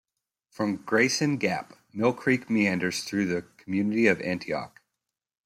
From Grayson Gap, Mill Creek meanders through the community of Antioch.